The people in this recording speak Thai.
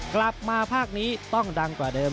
กลับมาภาคนี้ต้องดังกว่าเดิม